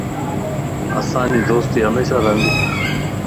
اسانجي دوستي ھميشا رھندي